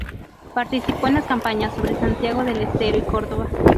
Participó en las campañas sobre Santiago del Estero y Córdoba.